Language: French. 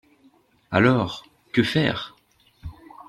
Alors, que faire?